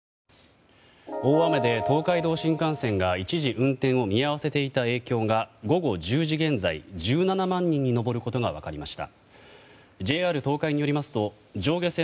大雨で東海道新幹線が一時運転を見合わせていた影響が午後１０時現在１７万人に上ることが分かりました。